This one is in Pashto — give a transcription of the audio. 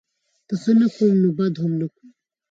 که ښه نه کوم نوبدهم نه کوم